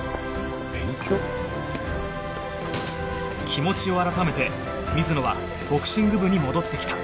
気持ちを改めて水野はボクシング部に戻ってきた